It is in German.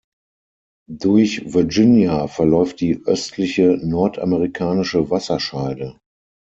Durch Virginia verläuft die Östliche Nordamerikanische Wasserscheide.